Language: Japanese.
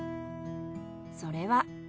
それは。